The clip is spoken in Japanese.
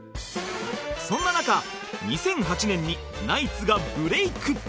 そんな中２００８年にナイツがブレイク！